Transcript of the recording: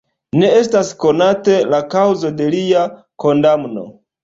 Ne estas konate la kaŭzo de lia kondamno.